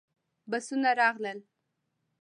بسونه راغلل.